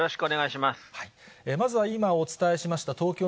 まずは今お伝えしました東京